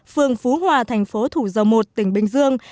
phường phú hòa thành phố thủ dầu một tỉnh bình dương